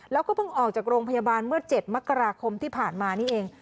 แล้วก็เพิ่งออกจากโรงพยาบาลเมื่อ๗มกราคมที่ผ่านมานี่เอง